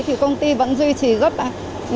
thì công ty vẫn duy trì rất là khó khăn